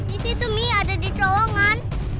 di situ mie ada di terowongan